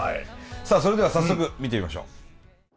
さあそれでは早速見てみましょう！